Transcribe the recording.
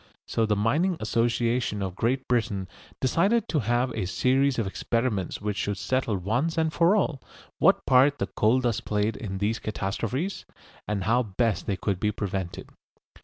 So the Mining Association of Great Britain decided to have a series of experiments which should settle once and for all what part the coal dust played in these catastrophes, and how best they could be prevented.